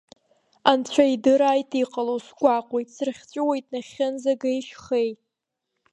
Анцәа идырааит иҟало, сгәаҟуеит, срыхьҵәыуоит нахьхьынӡа геи шьхеи.